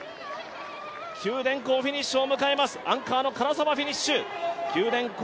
九電工フィニッシュを迎えます、アンカ−の唐沢、フィニッシュ。